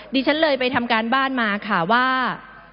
ดิฉันเลยไปทำการบ้านมาค่ะว่า